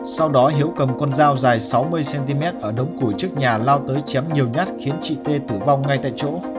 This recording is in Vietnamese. sau đó hiếu cầm con dao dài sáu mươi cm ở đống củi trước nhà lao tới chém nhiều nhát khiến chị tê tử vong ngay tại chỗ